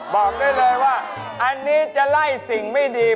บอกได้เลยว่าอันนี้จะไล่สิ่งไม่ดี